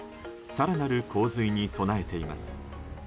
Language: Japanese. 更なる洪水に備えています。